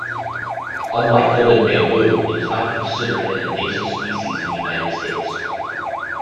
Unlike golden bamboo, it is not considered an invasive species in the United States.